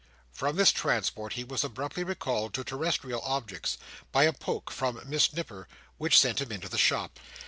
From this transport, he was abruptly recalled to terrestrial objects, by a poke from Miss Nipper, which sent him into the shop.